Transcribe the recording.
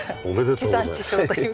地産地消という。